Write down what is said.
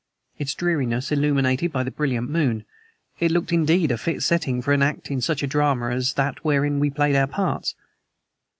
Its dreariness illuminated by the brilliant moon, it looked indeed a fit setting for an act in such a drama as that wherein we played our parts.